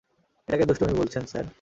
এটাকে দুষ্টামি বলছেন, স্যার?